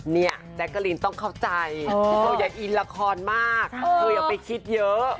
นี้แจ๊กการินต้องเข้าใจโตยังอีนละครมากโตอย่าไปคิดเยอะ